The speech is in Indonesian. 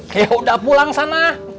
yaudah pulang sana